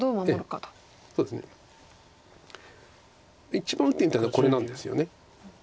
一番打ってみたいのはこれなんですよね。